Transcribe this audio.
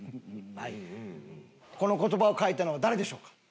この言葉を書いたのは誰でしょうか？